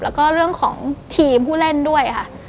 แล้วก็เรื่องของทีมผู้เล่นด้วยค่ะ